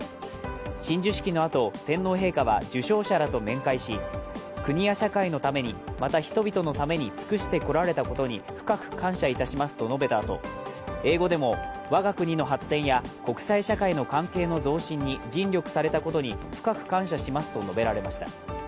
親授式のあと、天皇陛下は受章者らと面会し、国や社会のためにまた人々のために尽くしてこられたことに深く感謝しますと述べたあと、英語でも、我が国の発展や国際社会の発展の増進に尽力されたことに深く感謝しますと述べられました。